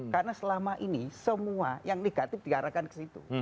karena selama ini semua yang negatif diarahkan ke negatif